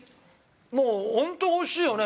もうホント美味しいよね